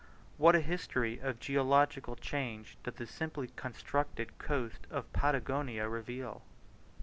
What a history of geological changes does the simply constructed coast of Patagonia reveal!